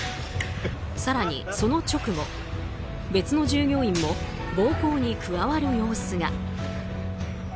更に、その直後別の従業員も暴行に加わる様子が。